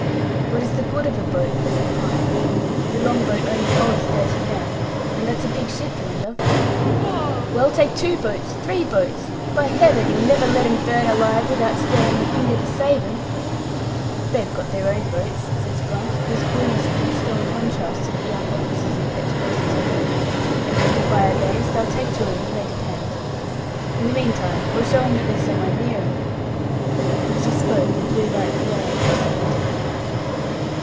"What is the good of a boat?" said Pine. "The long boat only holds thirty men, and that's a big ship yonder." "Well, take two boats three boats! By Heaven, you'll never let 'em burn alive without stirring a finger to save 'em!" "They've got their own boats," says Blunt, whose coolness was in strong contrast to the young officer's impetuosity; "and if the fire gains, they'll take to 'em, you may depend. In the meantime, we'll show 'em that there's someone near 'em." And as he spoke, a blue light flared hissing into the night.